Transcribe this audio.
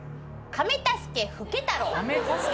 亀助老太郎？